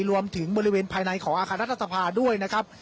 รวมถึงบริเวณภายในของอาคารทรัศนภา